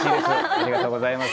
ありがとうございます。